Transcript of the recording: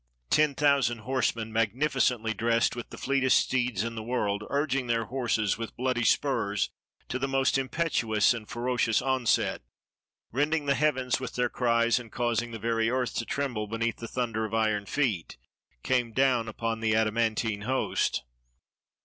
Ten thousand horsemen, magnificently dressed, with the fleetest steeds in the world, urging their horses with bloody spurs to the most impetuous and furious onset, rending the heavens with their cries, and causing the very earth to tremble beneath the thunder of iron feet, came down upon the adamantine host.